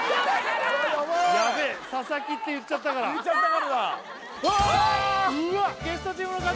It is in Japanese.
ヤベえ佐々木って言っちゃったからうわーっ！